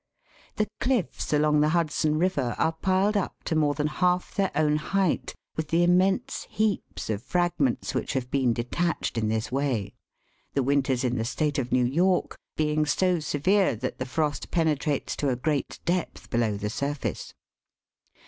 The cliffs along the Hudson River are piled up to more than half their own height with the immense heaps of frag ments which have been detached in this way, the winters in the State of New York being so severe that the frost penetrates to a great depth below the surface.